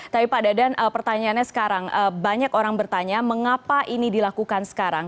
tapi pak dadan pertanyaannya sekarang banyak orang bertanya mengapa ini dilakukan sekarang